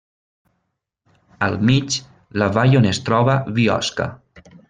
Al mig, la vall on es troba Biosca.